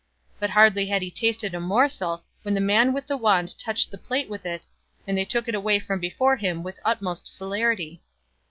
But hardly had he tasted a morsel when the man with the wand touched the plate with it, and they took it away from before him with the utmost celerity.